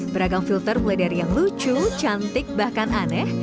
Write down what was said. beragam filter mulai dari yang lucu cantik bahkan aneh